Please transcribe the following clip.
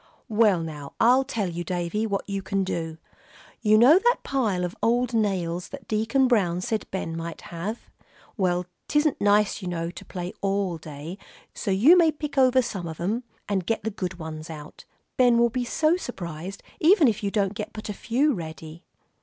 "Well now, I'll tell you, Davie, what you can do. You know that pile of old nails that Deacon Brown said Ben might have? Well, 'tisn't nice, you know, to play all day, so you may pick over some of 'em, and get the good ones out. Ben will be so surprised, even if you don't get but a few ready."